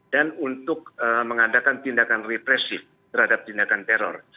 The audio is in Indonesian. dan untuk mengadakan tindakan represif terhadap tindakan teror